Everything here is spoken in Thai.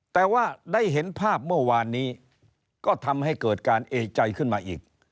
แต่ว่าได้เห็นภาพเมื่อวานนี้ก็ทำให้เกิดการเอกใจขึ้นมาอีก